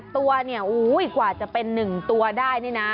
๑๘ตัวนี่กว่าจะเป็นหนึ่งตัวได้นี่นะ